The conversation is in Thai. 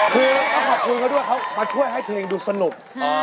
คือต้องขอบคุณเขาด้วยเขามาช่วยให้เพลงดูสนุก